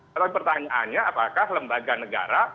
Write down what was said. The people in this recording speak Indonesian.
tapi pertanyaannya apakah lembaga negara